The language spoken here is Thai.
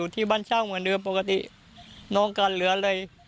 ต้องเหมือนเดิมปกติน้องกันเหลืออะไร